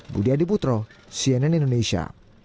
budi adiputro cnn indonesia